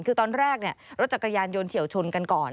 คือตอนแรกรถจักรยานยนต์เฉียวชนกันก่อน